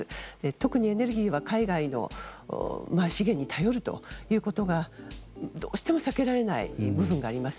特にエネルギーは海外の資源に頼るということがどうしても避けられない部分があります。